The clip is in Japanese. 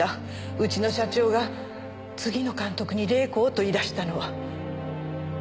うちの社長が次の監督に麗子をと言い出したのは。